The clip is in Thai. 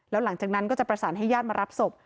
แล้วหลังจากนั้นก็จะประสานให้ญาติมารับศพ